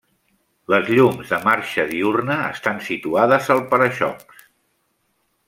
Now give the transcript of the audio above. Les llums de marxa diürna estan situades al para-xocs.